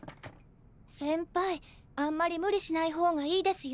先輩あんまり無理しない方がいいですよ。